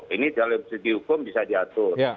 ini dalam segi hukum bisa diatur